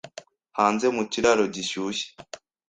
Hanze mu kiraro gishyushye